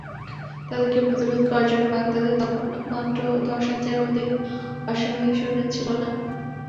তাদেরকে প্রতিরোধ করার জন্যে বাগদাদে তখন মাত্র দশ হাজারের অধিক অশ্বারোহী সৈনিক ছিল না।